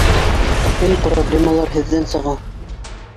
Гел проблемалар һеҙҙән сыға.